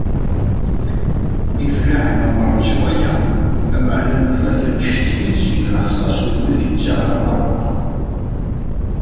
Ifellaḥen, umren s waya, lameεna nufa-ten, ttcektin seg lexṣaṣ n wid yettaɣen aberquq-a.